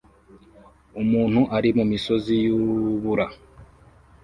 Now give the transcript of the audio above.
Umuntu ari mumisozi yubura